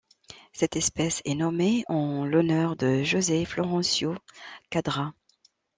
Cette espèce est nommée en l'honneur de José Florencio Quadras.